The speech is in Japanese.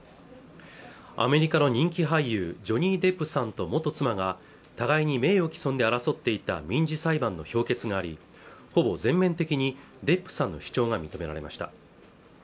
アメリカの人気俳優ジョニー・デップさんと元妻が互いに名誉毀損で争っていた民事裁判の評決がありほぼ全面的にデップさんの主張が認められました